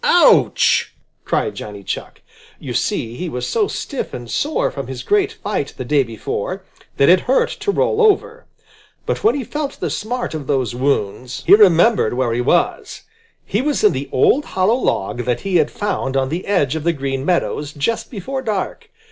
"Ouch!" cried Johnny Chuck. You see he was so stiff and sore from his great fight the day before, that it hurt to roll over. But when he felt the smart of those wounds, he remembered where he was. He was in the old hollow log that he had found on the edge of the Green Meadows just before dark.